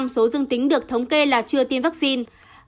tám mươi bảy số dương tính được thống kê là chưa tiêm vaccine